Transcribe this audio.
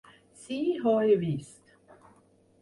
Sí, ho he vist.